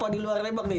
di luar lembang apa